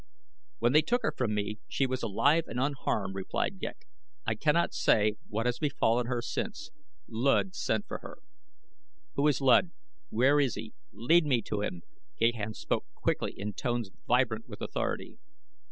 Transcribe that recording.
"When they took her from me she was alive and unharmed," replied Ghek. "I cannot say what has befallen her since. Luud sent for her." "Who is Luud? Where is he? Lead me to him." Gahan spoke quickly in tones vibrant with authority.